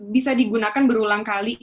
bisa digunakan berulang kali